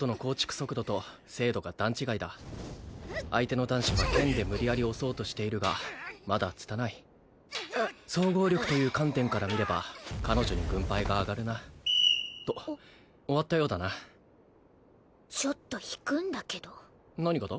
速度と精度が段違いだ相手の男子は剣で無理やり押そうとしているがまだつたない総合力という観点から見れば彼女に軍配が上がるなっと終わったようだなちょっと引くんだけど何がだ？